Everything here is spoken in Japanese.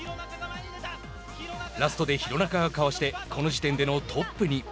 ラストで廣中がかわしてこの時点でのトップに。